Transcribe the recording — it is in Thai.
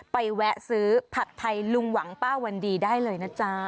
แวะซื้อผัดไทยลุงหวังป้าวันดีได้เลยนะจ๊ะ